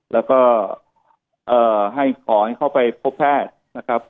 แล้วก็ขอให้เข้าไปพบแพทย์